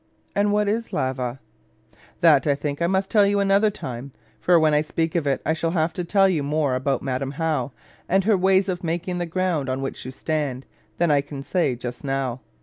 And what is lava? That, I think, I must tell you another time. For when I speak of it I shall have to tell you more about Madam How, and her ways of making the ground on which you stand, than I can say just now.